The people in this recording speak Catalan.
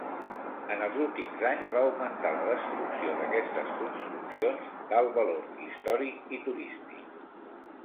En els últims anys va augmentar la destrucció d'aquestes construccions d'alt valor històric i turístic.